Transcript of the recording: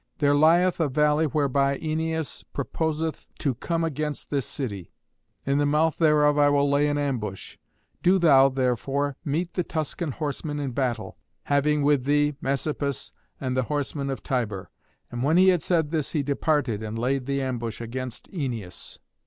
There lieth a valley whereby Æneas purposeth to come against this city: in the mouth thereof will I lay an ambush; do thou, therefore, meet the Tuscan horsemen in battle, having with thee Messapus and the horsemen of Tibur." And when he had said this he departed and laid the ambush against Æneas.